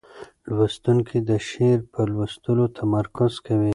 لوستونکی د شعر په لوستلو تمرکز کوي.